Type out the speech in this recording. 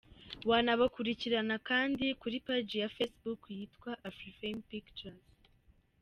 Wanabakurikirana kandi kuri page ya Facebook yitwa Afrifame Pictures.